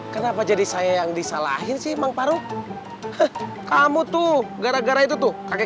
kenapa jadi saya yang disalahin sih mang paru kamu tuh gara gara itu tuh kakek